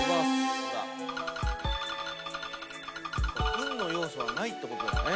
運の要素はないってことだよね。